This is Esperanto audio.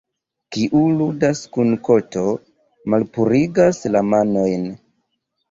Kiu ludas kun koto, malpurigas la manojn.